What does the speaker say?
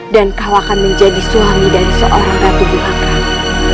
dan kau akan menjadi suami dari seorang ratu buang buang